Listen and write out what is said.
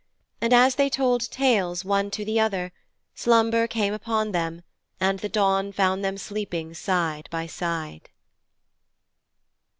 And as they told tales, one to the other, slumber came upon them, and the dawn found them sleeping side by side.